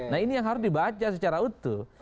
nah ini yang harus dibaca secara utuh